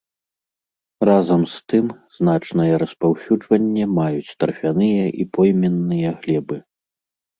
Разам з тым значнае распаўсюджванне маюць тарфяныя і пойменныя глебы.